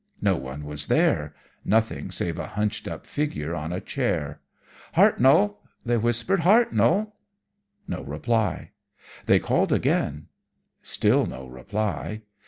No one was there nothing save a hunched up figure on a chair. "'Hartnoll!' they whispered. 'Hartnoll!' No reply. They called again still no reply.